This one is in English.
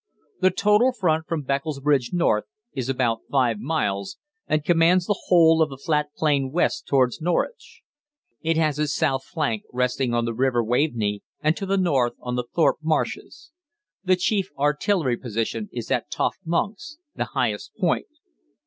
The total front from Beccles Bridge north is about five miles, and commands the whole of the flat plain west towards Norwich. It has its south flank resting on the River Waveney, and to the north on Thorpe Marshes. The chief artillery position is at Toft Monks the highest point.